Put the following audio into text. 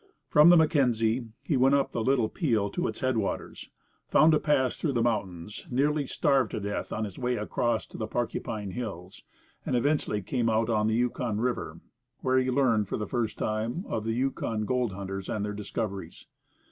From the Mackenzie he went up the Little Peel to its headwaters, found a pass through the mountains, nearly starved to death on his way across to the Porcupine Hills, and eventually came out on the Yukon River, where he learned for the first time of the Yukon gold hunters and their discoveries.